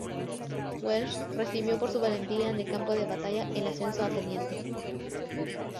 Welsh recibió por su valentía en el campo de batalla el ascenso a teniente.